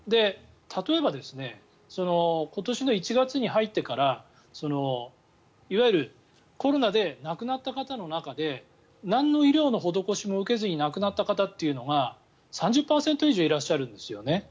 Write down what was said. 例えば、今年の１月に入ってからいわゆるコロナで亡くなった方の中で何の医療の施しも受けずに亡くなった方というのが３０％以上いらっしゃるんですよね。